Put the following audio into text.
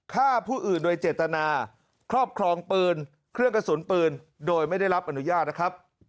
ฆ่าผู้อื่นโดยเจตนาครอบครองปืนเครื่องกระสุนปืนโดยไม่ได้รับอนุญาตนะครับ